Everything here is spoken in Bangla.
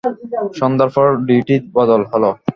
সন্ধ্যার পর ডিউটি বদল হল।